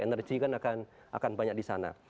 energi kan akan banyak di sana